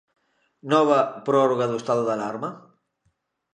Nova prórroga do estado de alarma?